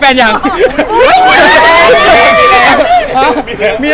เรายังไง